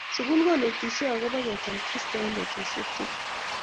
Sukul kinetishe akobo kecham Kristo eng betusiek tukul